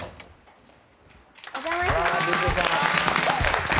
お邪魔します。